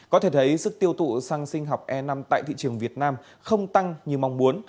có thể thấy sức tiêu thụ xăng sinh học e năm tại thị trường việt nam không tăng như mong muốn